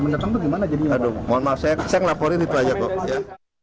gimana jadi aduh mohon maaf saya ngelaporin itu aja kok ya